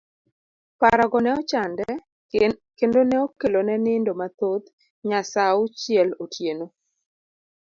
Parogo ne ochande kendo ne okelo ne nindo mathoth nya sa auchiel otieno.